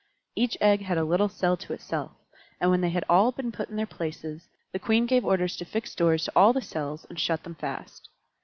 Each egg had a little cell to itself; and when they had all been put in their places, the Queen gave orders to fix doors to all the cells and shut them fast.